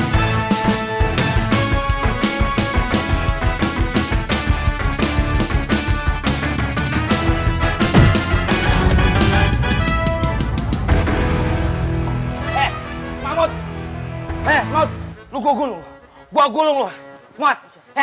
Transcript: hei jangan bengketek